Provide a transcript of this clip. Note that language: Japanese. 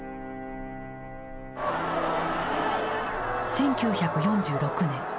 １９４６年。